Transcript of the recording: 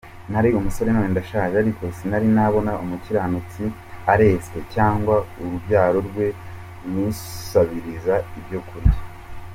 Nari umusore none ndashaje, Ariko sinari nabona umukiranutsi aretswe, Cyangwa urubyaro rwe rusabiriza ibyokurya.